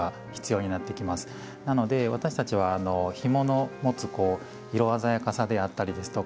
なので私たちはひもの持つ色鮮やかさであったりですとか